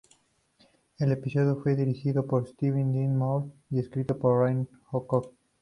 El episodio fue dirigido por Steven Dean Moore y escrito por Ryan Koh.